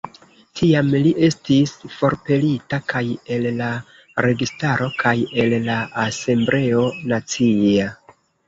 Tiam li estis forpelita kaj el la registaro kaj el la asembleo nacia.